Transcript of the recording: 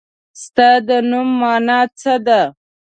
ستا د نوم مانا څه ده ؟